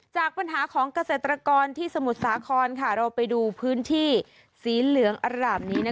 จากปัญหาของเกษตรกรที่สมุทรสาครเราไปดูพื้นที่สีเหลืองอร่ามนี้